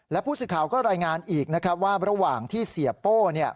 และผู้สื่อข่าวก็รายงานอีกนะครับว่าระหว่างที่เสียโป้